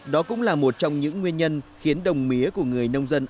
đó cũng là một trong những nguyên nhân khiến đồng mía của người nông dân